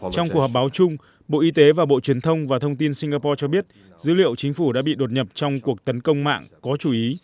trong cuộc họp báo chung bộ y tế và bộ truyền thông và thông tin singapore cho biết dữ liệu chính phủ đã bị đột nhập trong cuộc tấn công mạng có chú ý